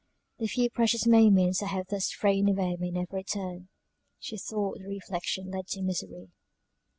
"The few precious moments I have thus thrown away may never return," she thought the reflection led to misery.